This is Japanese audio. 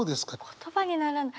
言葉にならない。